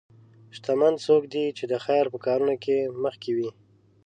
شتمن څوک دی چې د خیر په کارونو کې مخکې وي.